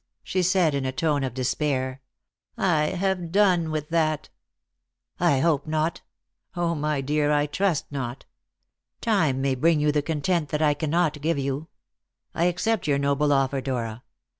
she said in a tone of despair; "I have done with that." "I hope not. Oh, my dear, I trust not. Time may bring you the content that I cannot give you. I accept your noble offer, Dora.